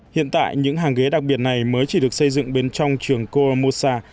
hiện tại những hàng ghế đặc biệt này mới chỉ được xây dựng bên trong trường coa mosa